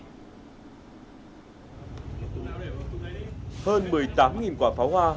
hơn một mươi tám quả pháo hoa